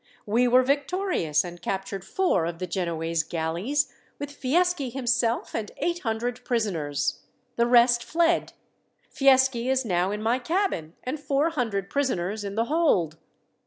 We were victorious, and captured four of the Genoese galleys, with Fieschi himself and eight hundred prisoners. The rest fled. Fieschi is now in my cabin, and four hundred prisoners in the hold."